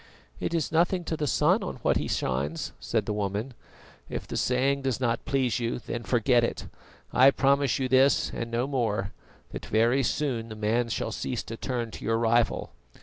"It is nothing to the sun on what he shines," said the woman. "If the saying does not please you, then forget it. I promise you this and no more, that very soon the man shall cease to turn to your rival."